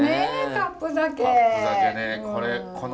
カップ酒ね。